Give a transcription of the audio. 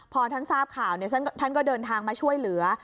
พอท่านทราบข่าวท่านก็เดินทางมาช่วยเหลือ